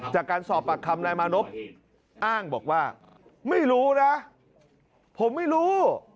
จากการสอบปากคำนายมานพอ้างบอกว่าไม่รู้นะผมไม่รู้